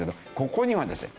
ここにはですね